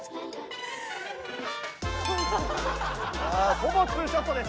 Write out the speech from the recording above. ほぼ２ショットです。